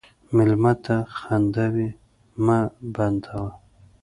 مېلمه ته خنداوې مه بندوه.